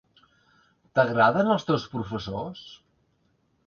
T'agraden els teus professors?